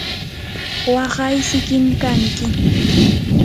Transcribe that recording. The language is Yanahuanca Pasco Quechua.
waqay sikim kanki.